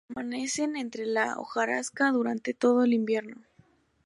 Permanecen entre la hojarasca durante todo el invierno.